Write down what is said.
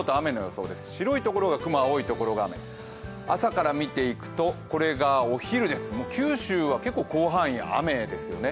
白いところが雲、青いところが雨、朝から見ていくとこれがお昼です、九州は広範囲雨ですよね。